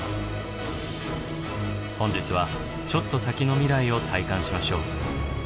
本日はちょっと先の未来を体感しましょう。